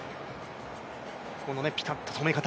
このピタッと止め方。